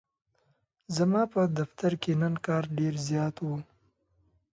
ځماپه دفترکی نن کار ډیرزیات و.